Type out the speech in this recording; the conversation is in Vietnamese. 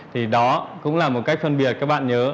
thì đó cũng là một cách phân biệt các bạn nhớ